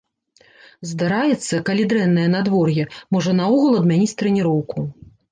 Здараецца, калі дрэннае надвор'е, можа наогул адмяніць трэніроўку.